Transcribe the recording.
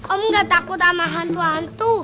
om gak takut sama hantu hantu